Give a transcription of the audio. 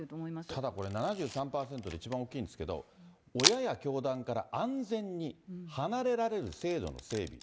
ただこれ、７３％で一番大きいんですけど、親や教団から安全に離れられる制度の整備。